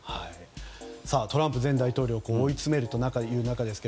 トランプ前大統領を追い詰めるという中ですね